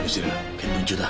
検分中だ。